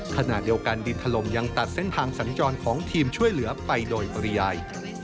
ขณะเดียวกันดินถล่มยังตัดเส้นทางสัญจรของทีมช่วยเหลือไปโดยปริยาย